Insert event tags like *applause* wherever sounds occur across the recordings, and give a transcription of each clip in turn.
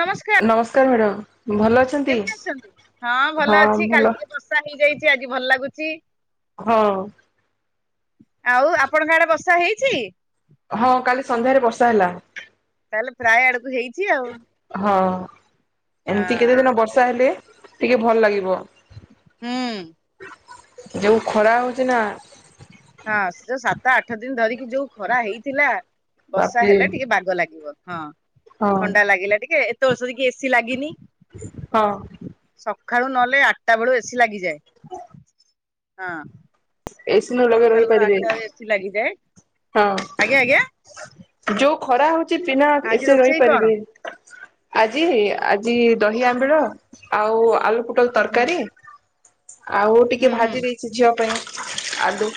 ନମସ୍କାର ନମସ୍କାର ମ୍ୟାଡ଼ାମ। ଭଲ ଅଛନ୍ତି? କେମିତି ଅଛନ୍ତି? ହଁ ଭଲ ଅଛି କାଲି ଟିକେ ବର୍ଷା ହେଇଯାଇ ଛି ଆଜି ଭଲ ଲାଗୁଚି। ହଁ। ଆଉ ଆପଣଙ୍କ ଆଡେ ବର୍ଷା ହେଇଛି? ହଁ କାଲି ସନ୍ଧ୍ୟାରେ ବର୍ଷା ହେଲା। ତାହେଲେ ପ୍ରାୟ ଆଡକୁ ହେଇଛି ଆଉ। ହଁ। ଏମିତି ହଁ କେତେ ଦିନ ବର୍ଷା ହେଲେ ଟିକେ ଭଲ ଲାଗିବ। ହୁଁ। ଯୋଉ ଖରା ହଉଛି ନା ତ ଆଠ ଦିନ ଧରିକି ଯୋଉ ଖରା ହେଇଥିଲା ବର୍ଷା ବାପରେ ହେଲେ ଟିକେ ବାଗ ଲାଗିବ। ହଁ। ହଁ ଥଣ୍ଡା ଲାଗିଲା ଟିକେ *unintelligible* କି ଏସି ଲାଗିନି ହଁ। ସକାଳୁ ନହେଲେ ଆଠଟା ବେଳୁ ଏସି ଲାଗିଯାଏ। *inaudible* ହଁ ଏସି ନ ଲଗେଇ ସକାଳୁ ରହିପାରିବେ ଆଠଟାରୁ ଏସିି ଲାଗିଯାଏ। ହଁ ଆଜ୍ଞା ଆଜ୍ଞା ଯୋଉ ଖରା ହଉଛି। ଚି ବିନା ଆଜି ଏସିରେ ରୋଷେଇ କଣ? ରହିପାରିବେ ଆଜି ହେ ଆଜି ଦହି ଆମ୍ବିଳ ଆଉ ଆଳୁ କୁ ପୋଟଳ ହୁଁ ତରକାରୀ ଆଉ ଟିକେ ହୁଁ ହୁଁ ଭାଜି ଦେଇଛି ଝିଅ ପାଇଁ ଆଲୁ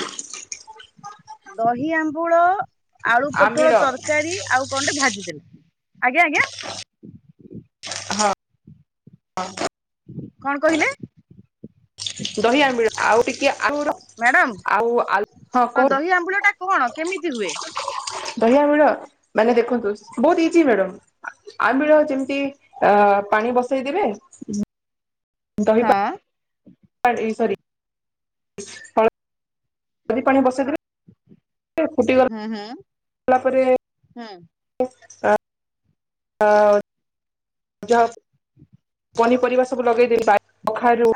ଦହି ଆମ୍ବୁଳ ଆଳୁ ପୋଟଳ ଆମ୍ବିଳ ତରକାରୀ ଆଉ କଣ ଟେ ଭାଜି ଆଜ୍ଞା ଆଜ୍ଞା ହଁ କଣ କହିଲେ? ଦହିଆମିଳ ଆଉ ଟିକେ *inaudible* ଆଳ ମ୍ୟାଡାମ ଆଉ ଆ ହଁ ଦହି ଆମ୍ବୁଳ ଟା କଣ କେମିତି ହୁଏ? କୁହନ୍ତୁ। ଦହିଆ ଆମିଳ ମାନେ ଦେଖନ୍ତୁ ବହୁତ ଇଜି ମ୍ୟାଡ଼ ଆମିଳ ଯେମିତି ପାଣି ବସେଇଦବେ ହଁ ଜି ସରି ଫଳ ଦହି ପାଣି ବସେଇଦେବେ ଫୁଟିଗଲା ହୁଁ ହୁଁ ଗଲା ପରେ ହୁଁ ହ ହଁ *inaudible* ପନିପରିବା ସବୁ ଲଗେଇଦେବ *inaudible*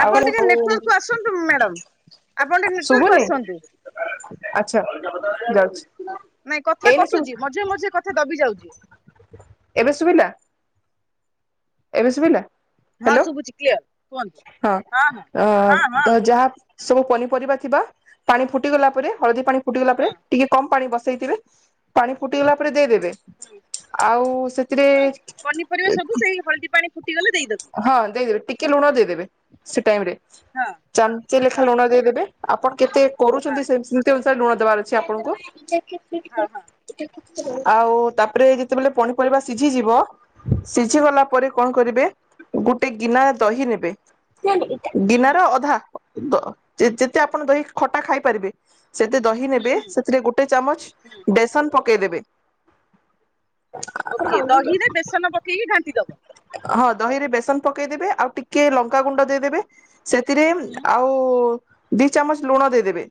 ଆପଣ ଟିକେ ନେଟୱାର୍କ କୁ ଆସନ୍ତୁ ମ୍ୟାଡମ। ଆପଣ ଟିକେ ନେଟୱାର୍କ କୁ ଶୁଭୁନି ଆସନ୍ତୁ। ଆଚ୍ଛା ଯାଉଛି। ନାଇଁ କଥା ଏଇନା ଶୁଭୁ କଟୁଚି ମଝିରେ ମଝିରେ କଥା ଦବି ଯାଉଛି। ଏବେ ଶୁଭିଲା? ଏବେ ଶୁବିଲା। ହଁ ହ୍ୟାଲୋ ଶୁଭୁଛି କ୍ଲିୟର କୁହନ୍ତୁ। ହଁ ହଁ ହଁ ତ ଯାହା ସବୁ ପନିପରିବା ଥିବା ପାଣି ଫୁଟିଗଲା ପରେ ହଳଦୀ ପାଣି ଫୁଟି ଗଲା ପରେ ହଁ ଟିକେ କମ୍ ପାଣି ବସ ସେଇଥିରେ ପାଣି ଫୁଟିଗଲା ପରେ ଦେଇଦେବେ ହଁ ଆଉ ସେଥିରେ ହଁ ପନିପରିବା ସବୁ ସେଇ ହଳଦୀ ପାଣି ଫୁଟିଗଲେ ଦେଇଦେବି ହଁ ଦେଇଦେବି ଟିକେ ଲୁଣ ଦେଇଦେବେ ସେ ଟାଇମ ରେ ହଁ ଚାମଚେ ଲେଖା ହଁ ଲୁଣ ଦେଇଦେବେ। ଆପଣ କେତେ ହଁ କରୁଛନ୍ତି ସେ ସେମତି ଅନୁସାରେ ଲୁଣ ଦେବେ। ଦବାର ଅଛି ଆପଣଙ୍କୁ। *inaudible* ହଁ ହଁ ଆଉ ତାପରେ ଯେତେବେଳେ ପନିପରିବା ସିଝିଯିବ ହୁଁ ସିଝି ଗଲା ପରେ କଣ କରିବେ? ଗୋଟେ ଗିନା ରେ ଦହି ନେବେ ହୁଁ ହୁଁ ଗିନାର ଅଧା ଯେତେ ଆପଣ ଦହି ଖଟା ଖାଇପାରିବେ। ସେତେ ଦହି ହୁଁ ନେବେ ହୁଁ ସେଥିରେ ଗୋଟେ ଚାମଚ ହୁଁ ବେସନ ପକେଇଦେବେ। ଓକେ ଦହିରେ ବେସନ ପକେଇକି ଘାଣ୍ଟି ଦବ। ହଁ ଦହି ରେ ବେସନ ପକେଇଦେବେ ଆଉ ଟିକେ ଲଙ୍କା ଗୁଣ୍ଡ ଦେଇଦେବେ। ସେଥିରେ ହୁଁ ଆଉ ଦି ଚାମଚ ଲୁଣ ଦେଇଦେବେ।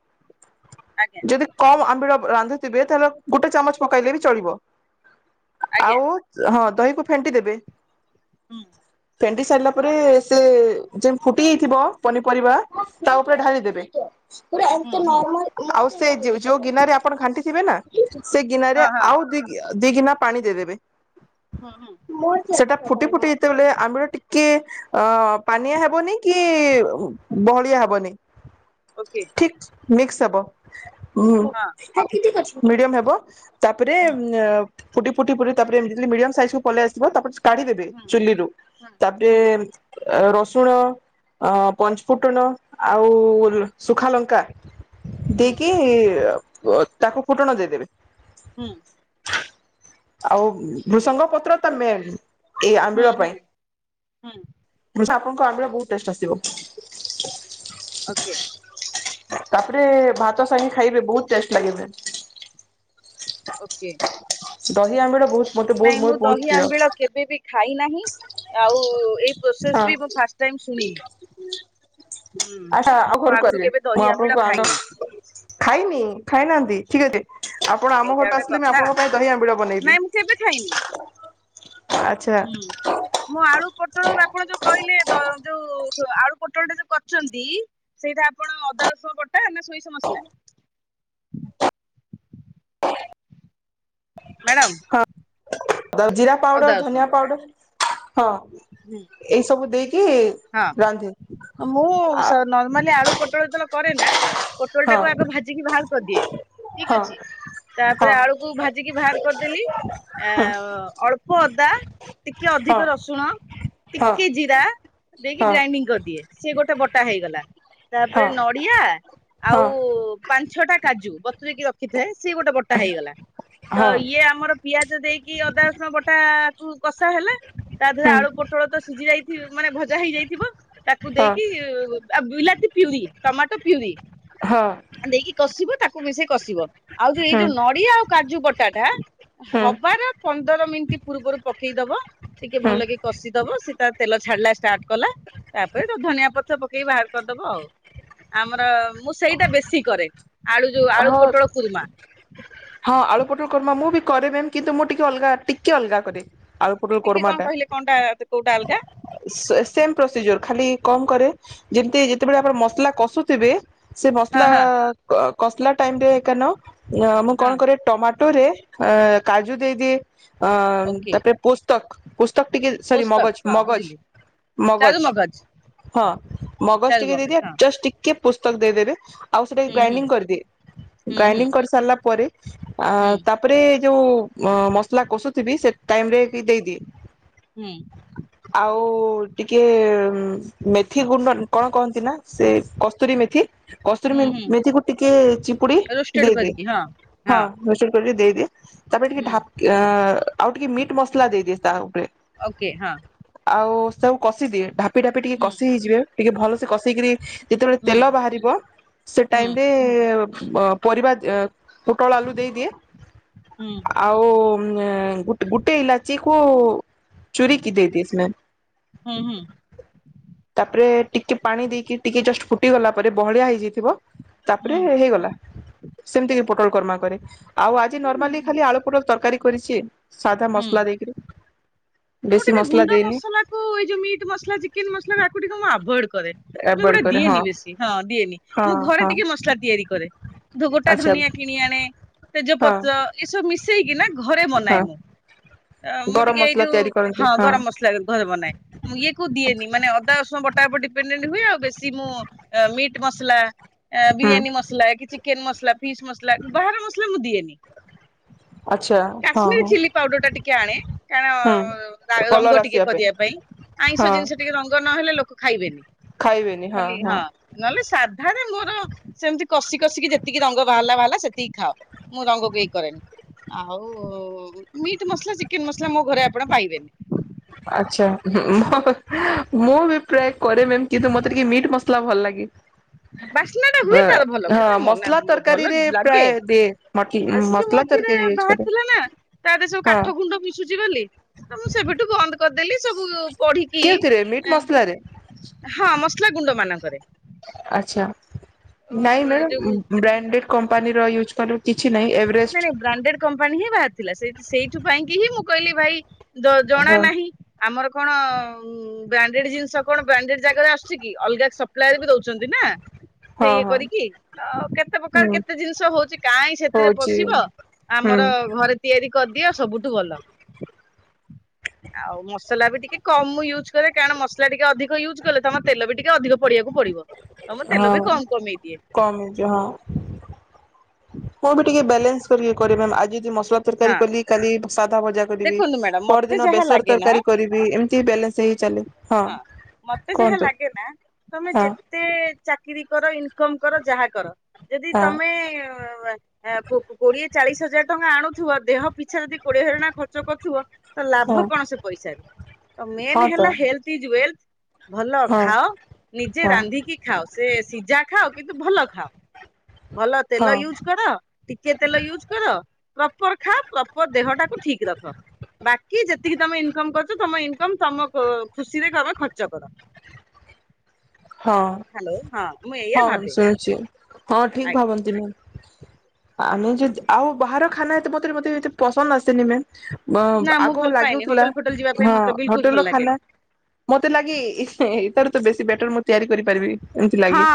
ଆଜ୍ଞା ଯଦି କମ୍ ଆମ୍ବିଳ ରାନ୍ଧୁଥିବେ ତାହାଲେ ଗୋଟେ ଚାମଚ ପକେଇଲେ ବି ଚଳିବ। ଆଜ୍ଞା ଆଉ ହଁ ଦହିକୁ ଫେଣ୍ଟି ଦେବେ। ହୁଁ ଫେଣ୍ଟି ସାରିଲା ପରେ ସେ ଯେ ଫୁଟି ଯାଇଥିବ ପନିପରିବା ତା ଉପରେ ଢାଳି ଦେବେ। ହୁଁ ହୁଁ ଆଉ ସେ ଯୋଉ ଗିନା ରେ ଆପଣ ଘାଣ୍ଟି ଥିବେ ନା ସେ ହଁ ଗିନାରେ ହଁ ଆଉ ଦି ଗି ଦି ଗିନା ପାଣି ଦେଇ ଦେବେ। ଓକେ ସେଟା ଫୁଟି ଫୁଟି ଯେତେବେଳେ ଆମ୍ୱିଲ ଟିକେ ଅ ପାଣିଆ ହେବନି କି ବହଳିଆ ହବନି ଠିକ ମିକ୍ସ ହବ। *inaudible* ହୁଁ ଆଣ୍ଟି ଠିକ୍ ଅଛି। ମିଡିୟମ ହେବ। ତାପରେ ଫୁଟି ଫୁୁଟି ଫୁଟି ତା ପରେ ମିଡିୟମ ସାଇଜକୁ ପଲେଇ ଆସିବ ତାରେ କାଢି ଚୁଲିରୁୁ ତାପରେ ରସୁଣ ଅ ପଞ୍ଚଫୁଟଣ ଆଉ ସୁଖାଲଙ୍କା ଦେଇକି ଇ ଉ ତାକୁ ଫୁଟଣ ଦେଇଦେବେ। ହୁ। ଆଉ ଭୃଷଙ୍ଗ ପତ୍ର ତମେନ୍। ଏଇ ଆମ୍ବିଳ ପାଇଁ ମୁ ସା୍ ଆପଣଙ୍କ ଆମ୍ବିଳ ବହୁତ ଟେଷ୍ଟ ଆସିବ। ତାପରେ ଭାତ ସାଙ୍ଗେ ଖାଇବେ ବହୁତ ଟେଷ୍ଟ ଲାଗିବ। ଓକେ। ଦହି ଆମ୍ବିଳ ବହୁତ ମତେ ବହୁତ ନାଇଁ ମୁଁ ଵହୁତ ଦହି ବହୁତ ପ୍ରିୟ। ଆମ୍ବିଳ କେବେ ବି ଖାଇ ନାହିଁ ଆଉ ଏଇପ୍ ଛା ହୁଁ ଆଉ ମୁଁ ଘର ଆଗରୁ କରିବେ କେବେ ମୁଁ ଦହି ଆମ୍ବିଳ ଆପଣଙ୍କୁ ଖାଇନି ଆ ଖାଇନି ଖାଇନାହାନ୍ତି। ଠିକ ଅଛି। ଆପଣ ଆମ ଏଇଟା ଘରକୁ ଗୋଟେ ଆସିଲେ ମୁ କଥା ଆପଣଙ୍କ ପାଇଁ ଦହି ଆମ୍ବିଳ ବନେଇବି ନାଇଁ ମୁଁ କେବେ ଖାଇନି। ଆଛା। ହୁଁ ମୁଁ ଆଳୁ ପୋଟଳ ଆପଣ ଯୋଉ କହିଲେ ଦ ଯୋଉ ଆଳୁ ପୋଟଳ ଟା ଯୋଉ କରୁଛନ୍ତି ସେଇଟା ଆପଣ ଅଦା ରସୁଣ ବଟା ନା ସୋରିଷ ମସଲା। ମ୍ୟାଡାମ ହଁ ଜିରା ଅଦା ପାଉଡର ରସୁଣ ଧନିଆ ବଟା ପାଉଡର ହଁ ହୁଁ ଏଇ ସବୁ ଦେଇକି୍ ହଁ ମୁଁ ଆ ସ ନର୍ମାଲି ଆଳୁ ପୋଟଳ ତେଲ କରେ ନା। ପୋଟଳ ହଁ ଟାକୁ ଆଗ ଭାଜିକି ବାହାର କରିଦିଏ। ଠିକ ହଁ ଅଛି ତାପରେ ହଁ ଆଳୁକୁ ଭାଜିକି ବାହାର କରିଦେଲି ଆ ଅଳ୍ପ ଅଦା ଟିକେ ହଁ ଅଧିକ ହଁ ରସୁଣ ହଁ ଟିକେ ଜିରା ହଁ ଗ୍ରାଇଣ୍ଡିଂ କରିଦିଏ ସେ ଗୋ୍ ତ ବଟା ହେଇଗଲା। ତାପରେ ହଁ ନଡିଆ ହଁ ଆଉ ହଁ ପାଞ୍ଚ୍ ଆଠ ଟା କାଜୁ ଟୀ ରଖିଥାଏ ସିଏ ଗୋଟେ ବଟା ହେଇଗଲା ତ ଇଏ ଆମର ପିଆଜ ଦେଇକି ଅଦା ରସୁଣ ବଟା କୁ କଷା ହେଲା ତା ଦେହରେ ହୁଁ ଆଳୁ ପୋଟଳ ତ ସିଝି ଯାଇ ମାନେ ଭଯ୍ ସିଝି ଯାଇଥିବ ତାକୁ ହଁ ଦେଇକି ଅଵ୍ ବିଲାତି ପ୍ୟୁରି ଟମାଟୋ ପ୍ୟୁରି। ହଁ *inaudible* ଦେଇକି କଷିବ ତାକୁ୍ କୁ ମିଶେ କସିବ। ଆଉ ଯୋଉ ଏଇ ହୁଁ ଯୋଉ ନଡିଆ ଆଉ କାଜୁ ବଟାଟା ହୁଁ ହବାର ପନ୍ଦର ମିନିଟ୍ କି ପୂର୍ବରୁ ପକେଇଦବା। ଟିକେ ହୁଁ ଭଲକି କଷିଦବ ସେ ତା ତେଲ ଛାଡ଼ିଲାଷ୍ଟାଟ। କଲା ତାପରେ ତାକୁ ଧନିଆ ପତ୍ର ପକେଇକି ବାହାର କରିଦବ ଆଉ ଆମର ମୁଁ ସେଇଟା ବେଶୀ କରେ। ଆଳୁ ଯୋଉ ଆଳୁ ହଁ ପୋଟଳ କୁରୁମା। ହଁ ଆଳୁ ପୋଟଳ କୁରୁମା ମୁଁ ବି କରେ ଦେନ କିନ୍ତୁ ମୁଁ ଟିକେ ଅଲଗା ଟିକେ ଅଲଗା କରେ। ଆଳୁ ପୋଟଳ ଟିକେ କଣ କୁରୁମାଟା କହିଲେ କଣଟା କୋଉଟା ଅଲଗା ସେ ସେମ୍ ପ୍ରୋସିଜର ଖାଲି କଣ କରେ ଯେମିତି ଯେତେବେଳେ ଆପଣ ମସଲା କଷୁଥିବେ ସେ ହଁ ମସଲା ହଁ। କସିଲା ଟାଇମ ରେ କାନ ମୁଁ କଣ କରେ ଟମାଟୋ ରେ ଅ କାଜୁ ଦେଇଦିଏ। ଅ ତାପରେ ପୁସ୍ତକ ପୁସ୍ତକ ଟିକେ ସରି ମଗଜ ମଗଜ ମଗଜ ହଁ ମଗଜ ଟିକେ ଦେଇଦିଏ ଜଷ୍ଟ ଟିକେ ପୁସ୍ତକ ଦେଇଦେବେ ଆଉ ସେଟା ଗ୍ରାଇଣ୍ଡିଙ୍ଗ କରିଦିଏ ଗ୍ରାଇଣ୍ଡିଙ୍ଗ କରିସାରିଲା ପରେ ଅ ତାପରେ ଯଉ ମସଲା କଷୁଥିବି ସେ ଟାଇମ ରେ କି ଦେଇଦିଏ ଆଉ ଓ ଟିକେ ମେଥି ଗୁଣ୍ଡ କଣ କହନ୍ତି ନା ସେ କସ୍ତୁରୀ ମେଥି କସ୍ତୁରୀ ମେ-ମେଥିକୁ ଟିକେ ଚିପୁଡି ଦେଇଦିଏ। ହଁ ରୋଷ୍ଟେଡ଼ କ କରି ଦେଇଦିଏ। ତାପରେ ଟିକେ ଢା ଆଉ ଟିକେ ମିଟ୍ ମସଲା ଦେଇଦିଏ ତା ଉପରେ ଆଉ ସବୁ କଷିଦିଏ ଢାପି ଢାପି ଟିକେ କଷି ହେଇଯିବେ ଟିକେ ଭଲ କଷେଇକିରି ଯେତେବେଳେ ତେଲ ବାହାରିବ ସେ ଟାଇମରେ ଅ ପରିବା *unintelligible* ପୋଟଳ ଆଲୁ ଦେଇଦିଏ ଆଉ ଗୁଟ୍ ଗୁଟେ ଇଲାଚି କୁ ଚୁରି କି ଦେଇଦିଏ ସିନା ହୁଁ ହୁଁ ତାପରେ ଟିକେ ପାଣି ଦେଇକି ଟିକେ ଜଷ୍ଟ ଫୁଟିଗଲା ପରେ। ବହଳିଆ ହୁଁ ହେଇଯାଇଥିବ ହୁଁ ତାପରେ ହେଇଗଲା ସେମିତି ପୋଟଳକର୍ମା କରେ। ଆଉ ଆଜି ନର୍ମାଲି ଖାଲି ହୁଁ ଆଳୁ ପୁଟଲ ତରକାରୀ କରିଚି ସାଧା ମସଲା ଦେଇକିରି। ମୁଁ ବେଶୀ ଟିକେ ମସଲା ଗୁଣ୍ଡ ଦେଇନି ମସଲା କୁ ଏଇ ଯୋଉ ମିଟ ମସଲା ଚିକେନ ମସଲା ତାକୁ ଟିକେ ମୁଁ ଆଭୋଏଡ଼ କରେ ମୁଁ ଆଭଏଡ ଏଗୁଟା କରେ ହଁ ଦିଏନି ବେଶୀ ହଁ ଦିଏନି ହଁ ମୁଁ ଘରେ ହଁ ଟିକେ ମସଲା ତିଆରି କରେ। ଧ ଗୋଟା ଆଚ୍ଛା ଧନିଆ କିଣି ଆଣେ ହଁ ତେଜପତ୍ର ଏସବୁ ମିଶ ସେଇ କି ନା ଘରେ ହଁ ମନାଏ ମୁଁ ତ ମୁଁ ଗରମ ଟିକେ ଏଇ ମସଲା ଯୋଉ ତିଆରି କରନ୍ତି ହଁ ଗରମ ମସଲା ଘରେ ବନାଏଁ ଇଏ କୋ ଦିଏନି ମାନେ ଅଦା ବଟା ଉପରେ ଡିପେଣ୍ଡେଣ୍ଟ ହୁଏ ଆଉ ବେଶୀ ମୁଁ ମିଟ୍ ମସଲା ହୁଁ ବିରିୟାନୀ ମସଲା କି ଚିକେନ ମସଲା ଫିସ୍ ମସଲା ବାହାର ମସଲା ମୁଁ ଦିଏନି ଆଚ୍ଛା ହଁ କାଶ୍ମୀରୀ ହଁ ଚିଲି ପାଉଡର ଟା ଟିକେ ଆଣେ ହୁଁ କାରଣ ରଙ୍ଗ କଲର ଟିକେ ଆସିବା କରିବା ପାଇଁ ଆଇଁଷ ହଁ ଜିନିଷ ଟିକେ ରଙ୍ଗ ନ ହେଲେ ଲୋକ ଖାଇବେନି ଖାଲି ହଁ ନହେଲେ ସାଧାରେ ମୋର ସେମତି କଷି କଷିକି ଯେତିକି ରଙ୍ଗ ବାହାରିଲା ବାହାରିଲା ସେତିକି ଖାଅ ମୁଁ ରଙ୍ଗକୁ ଏଇ କରେନି ଆଉ ମିଟ୍ ମସଲା ଚିକେନ ମସଲା ମୋ ଘରେ ଆପଣ ପାଇବେନି ଆଛା ହଁ ମୁଁ ବି ପ୍ରାୟ କରେ ମ୍ୟାମ କିନ୍ତୁ ମତେ ଟିକେ ମିଟ୍ ମସଲା ଭଲ ଲାଗେ ବାସ୍ନା ଟା ହୁଏ ତାର ଭଲ ମୁଁ ହଁ କଣ ମସଲା ମନେ ଭଲ ତରକାରୀରେ ଲାଗେ ପ୍ରାୟ ଦିଏ ମଟ ଆଉ ସେ ଯୋଉ ମସଲା ମଝିରେ ତରକାରୀ କରେ। ବାହାରିଥିଲା ନା ତାରେ ସବୁ ହଁ କାଠ ଗୁଣ୍ଡ ମିଶୁଛି ବୋଲି ତ ମୁଁ ସେବେଠୁ ବନ୍ଦ କରିଦେଲି ସବୁ ପଢିକି କେଉଁଥିରେ ମିଟ୍ ମସଲାରେ ହଁ ମ ଗୁଣ୍ଡ ମାନଙ୍କରେ ଆଛା ନାଇଁ ଯୋଉ ମ୍ୟାଡ଼ ବ୍ରାଣ୍ଡେଡ କମ୍ପାନୀର ୟୁଜ୍ କଲୁ ନାଇଁ ନାଇଁ ବ୍ରାଣ୍ଡେଡ କମ୍ପାନୀ ହିଁ ବାହାରି ଥିଲା ସେ ସେଇଠୁ ପାଇଁ କି ହି ମୁଁ କହିଲି ଭାଇ ଜଣା ହଁ ନାହିଁ ଆମର କଣ ବ୍ରାଣ୍ଡେଡ ଜିନିଷ କଣ ବ୍ରାଣ୍ଡେଡ ଜାଗାରେ ଆସୁଛି କି ଅଲଗା ସପ୍ଲାଏ ର ବି ଦଉଛନ୍ତି ନା ହଁ ସେଇ ଇଏ ହଁ କରିକି ଆ କେତେ ପ୍ରକାର ହୁଁ କେତେ ଜିନିଷ ହଉଛି କାହିଁ ସେଥିରେ ହଉଛି ପଶିବ ହୁଁ ଆମର ଘରେ ତିଆରି କରିଦିଅ ସବୁଠୁ ଭଲ ଆଉ ମସଲା ବି ଟିକେ କମ ୟୁଜ୍ କରେ କାରଣ ମସଲା ଟିକେ ଅଧିକ ୟୁଜ୍ କଲେ ତମ ତେଲ ବି ଟିକେ ଅଧିକ ପଡିବାକୁ ପଡିବ ତ ମୁଁ ତେଲ ହଁ ବି କମ କମେଇ ଦିଏ କମ ହେଇଯିବ ହଁ ମୁଁ ବି ଟିକେ ବାଲାନ୍ସ କରିକି କରିବି ଆଜି ଯଦି ମସ୍ ହଁ ତରକାରୀ କ କାଲି ସାଧା ଭଜା କରିବି ଦେଖନ୍ତୁ ମ୍ୟାଡାମ ମତେ ପରଦିନ ଯାହା ବେସର ଲାଗେ ନା ତରକାରୀ କରିବି ଏମିତି ବାଲାନ୍ସ ହେଇ ଚାଲେ ହଁ ମତେ ଯାହା କୁହନ୍ତୁ ଲାଗେ ନା ତମେ ହ ଯେତେ ଚାକିରି କର ଇନକମ କର ଯାହା କର ଯଦି ତମେ କୋ କୋଡିଏ ଚାଳିଶ ହଜାର ଟଙ୍କା ଆଣୁ ଥୁବ ଦେହ ପିଛା ଯଦି କୋଡିଏ ହଜାର ଟଙ୍କା ଖର୍ଚ କରୁଥିବ ତା ହଁ ଲାଭ କଣ ସେ ପଇସାରେ ତ ମେନ୍ ହଁ ତ ହେଲା ହେଲଥ ଇଜ ୱେଲଥ। ଭଲ ହଁ ଖାଅ ନିଜେ ହଁ। ରାନ୍ଧିକି ଖାଅ ସେ ସିଝା ଖାଅ କିନ୍ତୁ ଭଲ ଖାଅ ଭଲ ହଁ ତେଲ ୟୁଜ କର ଟିକେ ତେଲ ୟୁଜ୍ କର ପ୍ରପର ଖାଅ ପ୍ରପର ଦେହଟାକୁ ଠିକ ରଖ ବାକି ଯେତିକି ତମେ ଇନକମ କରୁଛ ତମ ଇନକମ ତମ ଖୁସିରେ ତମେ ଖର୍ଚ୍ଚ କର। ହଁ ହ୍ୟାଲୋ ହଁ ମୁଁ ଏଇଆ ହଁ ଭାବେ ଶୁଣୁଛି ହଁ ଠିକ ଆଜ୍ଞା ଭାବନ୍ତି ମ୍ୟାମ୍ ଆମେ ଯଦ୍ ଆଉ ବାହାର ଖାନା ଏତେ ମାତ୍ରାରେ ମତେ ଏତେ ପସନ୍ଦ ଆସେନି ମ୍ୟାମ୍ ନା ମୁଁ ଆଗ ଭଲ ପାଏନି ଲାଗୁଥିଲା ହୋଟେଲ ଫୋଟେଲ ଯିବା ପାଇଁ ହଁ ମତେ ବିଲକୁଲ ହୋଟେଲ ଭଲ ର ଖାନା ଲାଗେନି ମତେ ଲାଗେ ଇ ତର ତ ବେଶି ବେଟର ତିଆରି କରିପାରିବି ଏମିତି ହଁ ଲାଗେ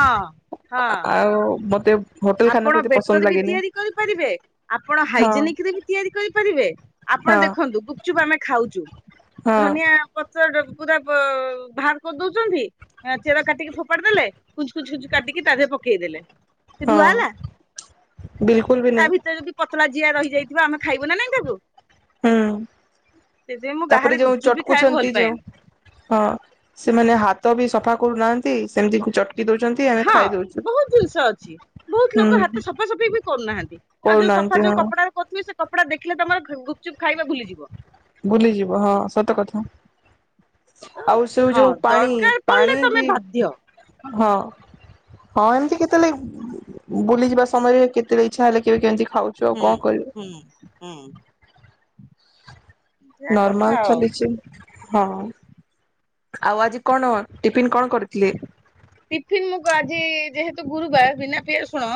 ହଁ। ଆଉ ମତେ ହୋଟେଲ ଖାନାକୁ ଆପଣ ଏତେ ପସନ୍ଦ ବେଟରେ ବି ଲାଗେନି ତିଆରି କରିପାରିବେ। ଆପଣ ହଁ ହାଇଜେନିକରେ ବି ତିଆରି କରିପାରିବେ ଆପଣ ହଁ ଦେଖନ୍ତୁ ଗୁପଚୁପ୍ ଆମେ ଖାଉ ଚୁ ହଁ ଧନିଆ ପତ୍ର ପୁରା ବାହାର କରିଦଉଛନ୍ତି ଚେର କାଟିକି ଫୋପାଡି ଦେଲେ କୁଞ୍ଚ୍ କୁଞ୍ଚ୍ ଖୁ କାଟିକି ତା ଦେହରେ ପକେଇଦେଲେ ସେ ହଁ ଧୁଆ ହେଲା ବିଲକୁଲ ବି ତା ନାଇଁ ଭିତରେ ଯଦି ପତଳା ଜିଆ ରହିଯା ହୁଁ ସେଥିପାଇଁ ମୁଁ ତାପରେ ବାହାରେ ଯୋଉ ଗୁପଚୁପ ବି ଖାଇବାକୁ ଭଲ ଚଟକୁଛନ୍ତି ଯୋଉ ପାଏନି ହଁ ସେମାନେ ହାତ ତ ବି ସଫା କରୁନାହାନ୍ତି ସେମିତି ଚଟ୍ ହଁ ବହୁତ ଜିନିଷ ଅଛି। ବହୁତ ଲୋକ ହୁଁ। ହାତ ସଫା ସଫେଇ ବି କରୁନାହାନ୍ତି ଆଉ ଯୋଉ କରୁନାହାନ୍ତି ସଫା ହଁ ଯୋଉ କପଡା କରୁଥିବେ ସେ କପଡ଼ା ଦେଖିଲେ ତମର ଗୁପଚୁପ୍ ଖାଇବା ଭୁଲିଯିବ। ବୁଲି ଯିବ ହଁ ସତ କଥା। ତ ଆଉ ସେଉ ହଁ ଯୋଉ ପାଣି ଦରକାର ପଡିଲେ ପାଣି ତମେ ବି ବାଧ୍ୟ ହଁ ହଁ ଏମିତି କେତେବେଳେ ବୁଲିଯିବା ସମୟରେ କେତେବେଳେ ଇଚ୍ଛା ହେଲେ କେବେ କେମତି ହୁଁ ହୁଁ ହୁଁ ସେଇଆ କଥା ନର୍ମାଲ ଆଉ। ଚାଲିଛି ହଁ- ହଉ ଆଉ ଆଜି କଣ ଟିଫିନ କଣ କରିଥିଲେ? ଟିଫିନ ମୁଁ ଗ ଆଜି ଯେହେତୁ ଗୁରୁବାର ବିନା ପିଆଜ ରଶୁଣ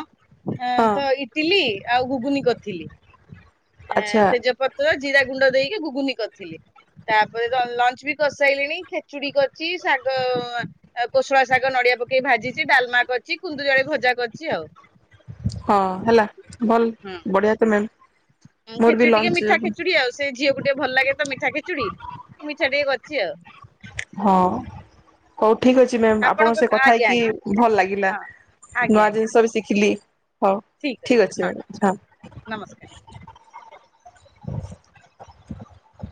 ହଁ ତ ଇଟିଲି ଆଉ ଘୁଗୁନି କରିଥିଲି। ଆ ଆଚ୍ଛା ତେଜପତ୍ର ଜିରା ଗୁଣ୍ଡ ଦେଇ ଟିକ ଗୁଗୁନି କରିଥିଲି ତାପରେ ଲଞ୍ଚ ବି କରିସାଇଲିଣି ଖେଚୁଡି କରିଛି ଶାଗ କୋଶଳା ଶାଗ ନଡିଆ ପକେଇକି ଭାଜିଛି ଡାଲମା କରିଛି କୁନ୍ଦୁରି ଆଳୁ ଭଜା କରିଛି ଆଉ। ହଁ ହେଲା ଭଲ ବଢିଆ ତ ମ୍ୟାମ୍। ମୋର ବି ଖେଚୁଡି ଟିକେ ଲଞ୍ଚ ମିଠା ଖେଚୁଡି ଆଉ ସେ ଝିଅକୁ ଟିକେ ଭଲ ଲାଗେ ତ ମିଠା ଖେଚୁଡି ମିଠା ଟିକେ କର ଛି ଆଉ ହଁ କଉ ଠିକ୍ ଅଛି ମ୍ୟାମ୍ ଆପଣଙ୍କ ସେ କଥା ଆଜ୍ଞା ହେଇକି ଆଜ୍ଞା। ଭଲ ଲାଗିଲା ହଁ ଆଜ୍ଞା ନୂଆ ଆଜ୍ଞା ଜିନିଷ ବି ଶିଖିଲି। ହଉ ଠିକ୍ ଅଛି ମ୍ୟାଡ଼ମ୍ ନମସ୍କାର। ହଁ। *inaudible*